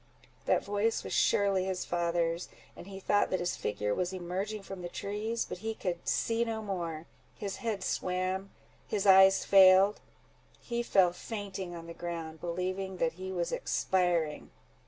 That voice was surely his father's, and he thought that his figure was emerging from the trees; but he could see no more:—his head swam—his eyes failed—he fell fainting on the ground, believing that he was expiring.